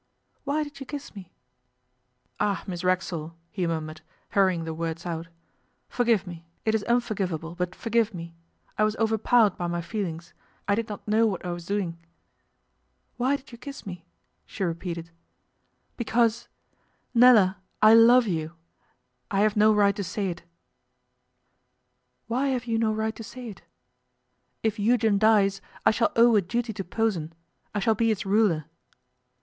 'Why did you kiss me?' 'Ah! Miss Racksole,' he murmured, hurrying the words out. 'Forgive me. It is unforgivable, but forgive me. I was overpowered by my feelings. I did not know what I was doing.' 'Why did you kiss me?' she repeated. 'Because Nella! I love you. I have no right to say it.' 'Why have you no right to say it?' 'If Eugen dies, I shall owe a duty to Posen I shall be its ruler.